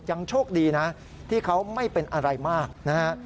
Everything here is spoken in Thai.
โชคดีนะที่เขาไม่เป็นอะไรมากนะฮะ